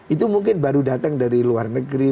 itu mungkin baru datang dari luar negeri